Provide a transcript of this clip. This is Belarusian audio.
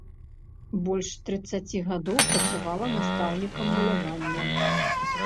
Больш трыццаці гадоў працавала настаўнікам малявання.